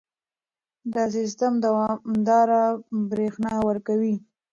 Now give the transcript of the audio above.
دا سیستم دوامداره برېښنا ورکوي.